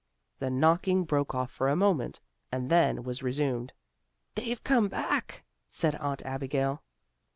The knocking broke off for a moment, and then was resumed. "They've come back," said Aunt Abigail.